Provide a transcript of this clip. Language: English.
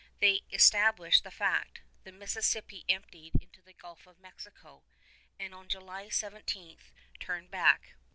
They had established the fact, the Mississippi emptied into the Gulf of Mexico, and on July 17 turned back.